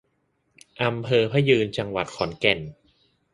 อำเภอพระยืน จังหวัดขอนแก่น